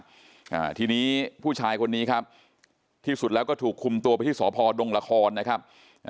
อ่าทีนี้ผู้ชายคนนี้ครับที่สุดแล้วก็ถูกคุมตัวไปที่สพดงละครนะครับอ่า